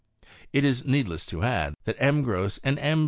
It is needless to add, that M. Gros and M.